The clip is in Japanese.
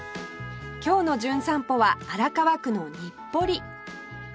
今日の『じゅん散歩』は荒川区の日暮里